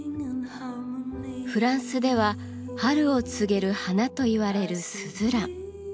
フランスでは春を告げる花といわれるスズラン。